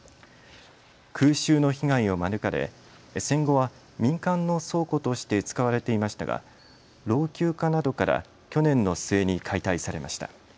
空襲の被害を免れ、戦後は、民間の倉庫として使われていましたが老朽化などから去年の末に解体されました。